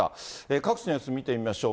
各地の様子見てみましょう。